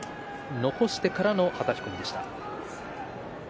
残してからのはたき込みでした。